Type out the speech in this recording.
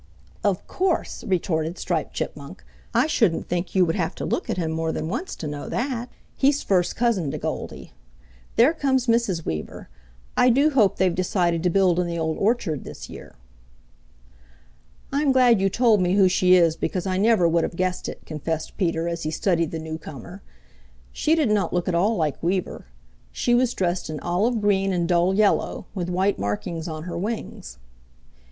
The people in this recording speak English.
"Of course," retorted Striped Chipmunk. "I shouldn't think you would have to look at him more than once to know that. He's first cousin to Goldy. There comes Mrs. Weaver. I do hope they've decided to build in the Old Orchard this year." "I'm glad you told me who she is because I never would have guessed it," confessed Peter as he studied the newcomer. She did not look at all like Weaver. She was dressed in olive green and dull yellow, with white markings on her wings.